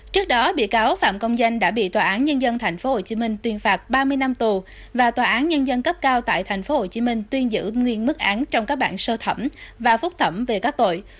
trước đó bị cáo phạm công danh đã bị tòa án nhân dân tp hcm tuyên phạt ba mươi năm tù và tòa án nhân dân cấp cao tại tp hcm tuyên giữ nguyên mức án trong các bản sơ thẩm và phúc thẩm về các tội